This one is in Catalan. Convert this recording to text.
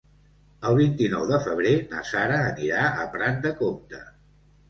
El vint-i-nou de febrer na Sara anirà a Prat de Comte.